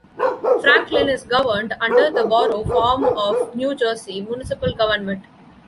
Franklin is governed under the Borough form of New Jersey municipal government.